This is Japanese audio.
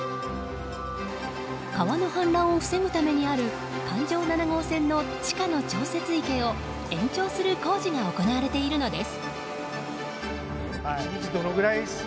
川の氾濫を防ぐためにある環状７号線の地下の調節池を延長する工事が行われているのです。